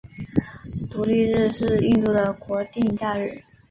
独立日是印度的国定假日。